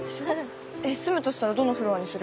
住むとしたらどのフロアにする？